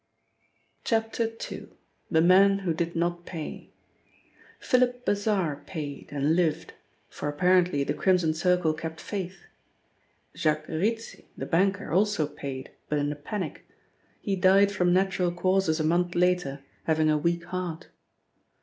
II. — THE MAN WHO DID NOT PAY PHILIP BASSARD paid, and lived, for apparently the Crimson Circle kept faith; Jacques Rizzi, the banker, also paid, but in a panic. He died from natural causes a month later, having a weak heart.